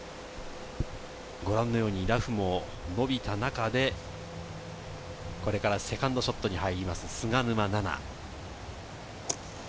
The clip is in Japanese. ご覧のようにラフも伸びた中で、これからセカンドショットに入ります、菅沼菜々。